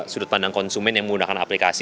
sudut pandang konsumen yang menggunakan aplikasi